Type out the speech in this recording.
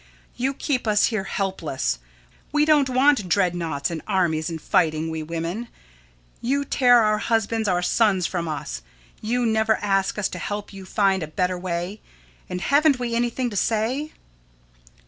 You keep us here helpless. We don't want dreadnoughts and armies and fighting, we women. You tear our husbands, our sons, from us, you never ask us to help you find a better way, and haven't we anything to say?